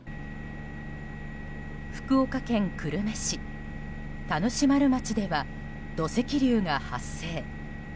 福岡県久留米市田主丸町では土石流が発生。